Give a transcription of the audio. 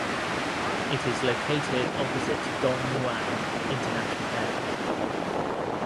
It is located opposite Don Mueang International Airport.